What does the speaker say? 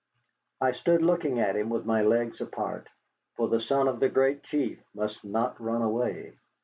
I stood looking at him with my legs apart, for the son of the Great Chief must not run away.